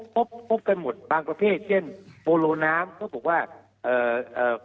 พบพบกันหมดบางประเภทเช่นโปโลน้ำเขาบอกว่าเอ่อเอ่อ